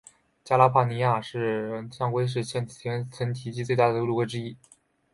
加拉帕戈斯象龟是现存体型最大的陆龟之一。